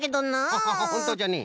ハハハほんとじゃね。